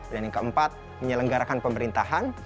dan yang keempat menyelenggarakan pemerintahan